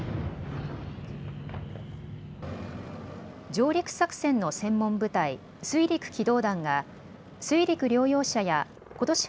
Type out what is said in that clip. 上陸作戦の専門部隊、水陸機動団が水陸両用車やことし